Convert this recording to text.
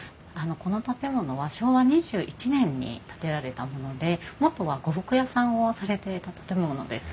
この建物は昭和２１年に建てられたもので元は呉服屋さんをされていた建物です。